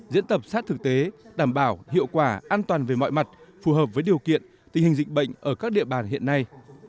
diễn tập sát thực tế đảm bảo hiệu quả an toàn về mọi mặt phù hợp với điều kiện tình hình dịch bệnh ở các địa bàn hiện nay